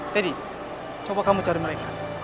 teddy coba kamu cari mereka